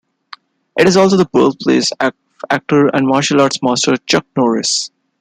It is also the birthplace of actor and martial arts master, Chuck Norris.